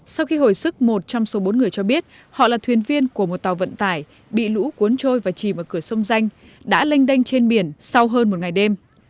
sau khi hồi sức một trong số bốn người cho biết họ là thuyền viên của một tàu vận tải bị lũ cuốn trôi và chìm vào cửa sông danh đã lênh đênh trên biển sau hơn một ngày đêm